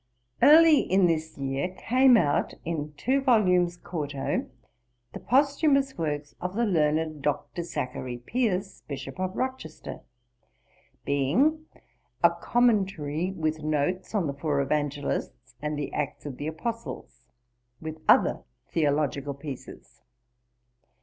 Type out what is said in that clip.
Early in this year came out, in two volumes quarto, the posthumous works of the learned Dr. Zachary Pearce, Bishop of Rochester; being A Commentary, with Notes, on the four Evangelists and the Acts of the Apostles, with other theological pieces.